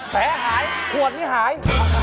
แผลหายขวดนี้หาย